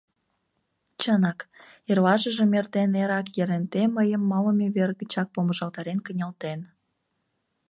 Чынак, эрлашыжым эрден эрак Еренте мыйым малыме вер гычак помыжалтарен кынелтен.